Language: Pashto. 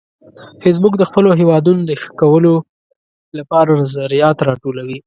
فېسبوک د خپلو هیوادونو د ښه کولو لپاره نظریات راټولوي